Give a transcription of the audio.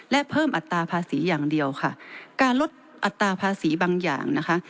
และเพิ่มอัตราภาษีอย่างเดียวค่ะการลดอัตราภาษีบางอย่างนะคะ